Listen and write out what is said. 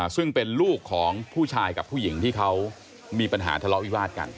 ซึ่งเป็นลูกของผู้ชายกับผู้หญิงที่เขามีปัญหาทะเลาะวิวาสกัน